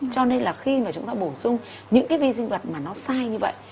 cho nên là khi mà chúng ta bổ sung những cái vi sinh vật mà nó sai như vậy